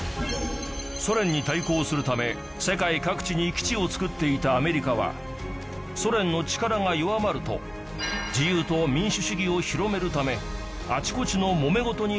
ソ連に対抗するため世界各地に基地を作っていたアメリカはソ連の力が弱まると自由と民主主義を広めるため